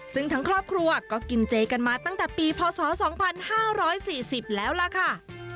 ซึ่งทั้งครอบครัวก็กินเจกันมาตั้งแต่ปีพศ๒๕๔๐แล้วล่ะค่ะ